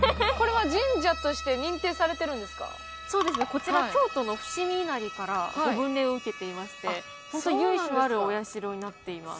こちら京都の伏見稲荷から御分霊を受けていまして本当由緒あるお社になっています。